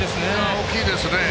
大きいですね。